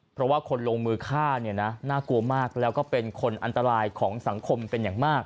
เพราะว่าคนลงมือฆ่าเนี่ยนะน่ากลัวมากแล้วก็เป็นคนอันตรายของสังคมเป็นอย่างมาก